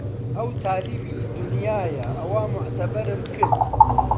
ئەو تالیبی دونیایە ئەوا موعتەبەرم کرد